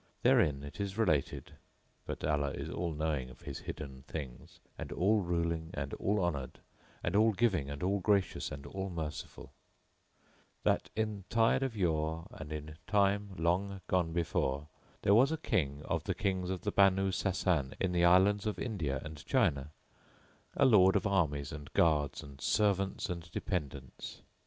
Therein it is related (but Allah is All knowing of His hidden things and All ruling and All honoured and All giving and All gracious and All merciful [FN#1]) that, in tide of yore and in time long gone before, there was a King of the Kings of the Banu Sásán in the Islands of India and China, a Lord of armies and guards and servants and dependents.